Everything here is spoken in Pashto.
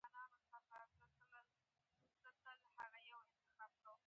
استاد د زړونو وفادار دی.